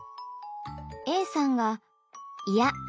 Ａさんが「いやっ！